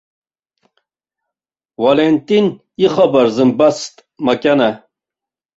Валентин ихабар зымбацт макьана.